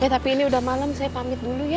ya tapi ini sudah malam saya pamit dulu ya